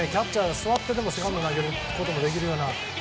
座ってでもセカンドに投げるようなことができるという。